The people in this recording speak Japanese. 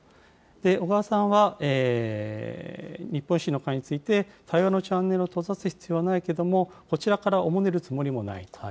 小川さんは、日本維新の会について、対話のチャンネルを閉ざす必要はないけれども、こちらからおもねる必要もないと。